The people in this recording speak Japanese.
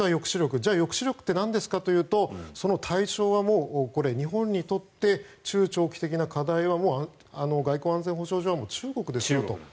じゃあ抑止力とは何かというとその対象は日本にとって中長期的な課題は外交・安全保障上中国ですと。